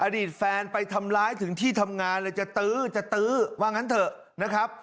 อดีตแฟนไปทำร้ายถึงที่ทำงานเลยจะตื้อจะตื้อว่างั้นเถอะนะครับ